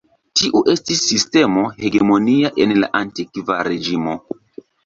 Tiu estis sistemo hegemonia en la Antikva Reĝimo.